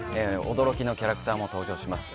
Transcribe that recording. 驚きのキャラクターも登場します。